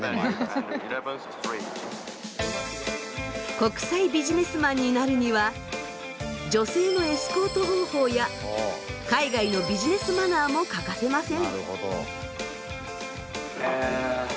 国際ビジネスマンになるには女性のエスコート方法や海外のビジネスマナーも欠かせません。